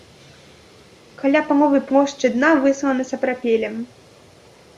Каля паловы плошчы дна выслана сапрапелем.